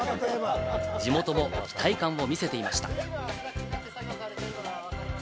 地元も期待感を見せていました。